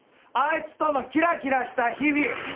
あいつとのキラキラした日々！